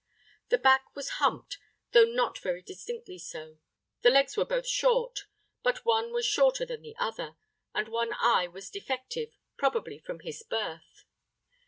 The back was humped, though not very distinctly so; the legs were both short, but one was shorter than the other; and one eye was defective, probably from his birth.